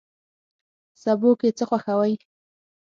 سبو کی څه خوښوئ؟